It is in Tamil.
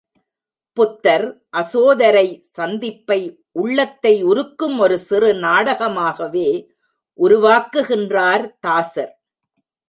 புத்தர் அசோதரை சந்திப்பை உள்ளத்தை உருக்கும் ஒரு சிறு நாடகமாகவே உருவாக்குகின்றார் தாசர்.